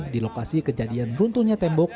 di lokasi kejadian runtuhnya tembok